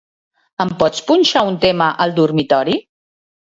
Em pots punxar un tema al dormitori?